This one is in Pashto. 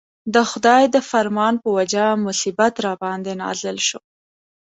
د خدای د فرمان په وجه مصیبت راباندې نازل شو.